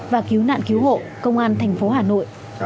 và cứu nạn cứu hộ công an thành phố hà nội